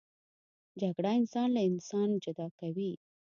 جګړه انسان له انسان جدا کوي